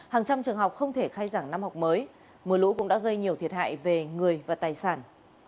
hàng trăm trường học không thể khai giảng năm học mới mưa lũ cũng đã gây nhiều thiệt hại về người và tài sản